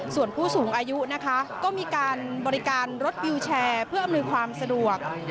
ส่วนผู้สูงอายุนะคะก็มีการบริการรถวิวแชร์เพื่ออำนวยความสะดวก